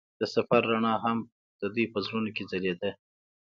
د سفر رڼا هم د دوی په زړونو کې ځلېده.